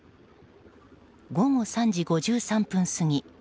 午後３時５３分過ぎ